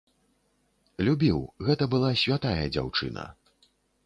Любіў, гэта была святая дзяўчына.